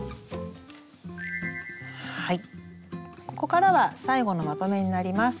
ここからは最後のまとめになります。